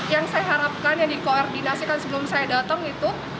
yang saya harapkan yang dikoordinasikan sebelum saya datang itu